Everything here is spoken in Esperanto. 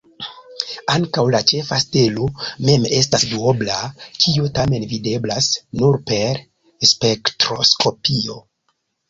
Ankaŭ la ĉefa stelo mem estas duobla, kio tamen videblas nur per spektroskopio.